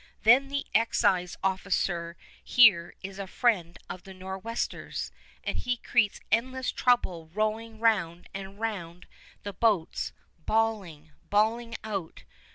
Then the excise officer here is a friend of the Nor'westers, and he creates endless trouble rowing round and round the boats, bawling ... bawling out